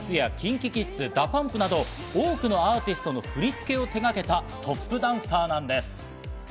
Ｖ６やＫｉｎＫｉＫｉｄｓ、ＤＡＰＵＭＰなど多くのアーティストの振り付けを手がけたトップダンサーなんです。